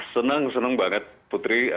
senang senang banget putri